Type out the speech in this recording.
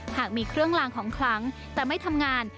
หากมีเครื่องลางของคลังแต่ไม่ทำงาน